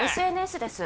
ＳＮＳです